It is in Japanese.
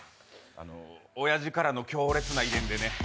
あの、おやじからの強烈な遺伝でね。